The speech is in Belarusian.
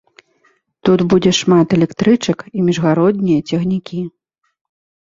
Тут будзе шмат электрычак і міжгароднія цягнікі.